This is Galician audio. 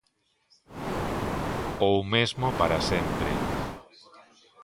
Ou mesmo para sempre.